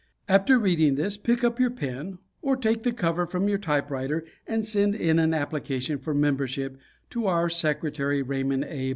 After reading this pick up your pen or take the cover from your typewriter and send in an application for membership to our Secretary, Raymond A.